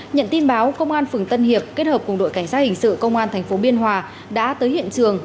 nhận tin báo công an phường tân hiệp kết hợp cùng đội cảnh sát hình sự công an tp biên hòa đã tới hiện trường